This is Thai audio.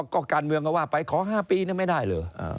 ก็การเมืองก็ว่าไปขอ๕ปีไม่ได้เหรอ